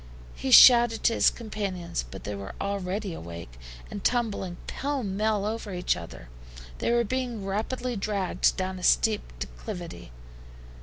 He shouted to his companions, but they were already awake, and tumbling pell mell over each other. They were being rapidly dragged down a steep declivity.